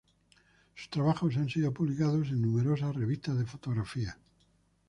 Sus trabajos han sido publicados en numerosas revistas de fotografía.